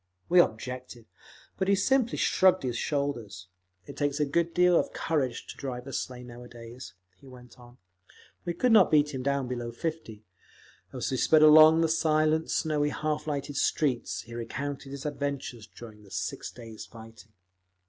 _ We objected, but he simply shrugged his shoulders. "It takes a good deal of courage to drive a sleigh nowadays," he went on. We could not beat him down below fifty…. As we sped along the silent, snowy half lighted streets, he recounted his adventures during the six days' fighting.